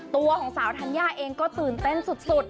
ตัวของสาวธัญญาเองก็ตื่นเต้นสุด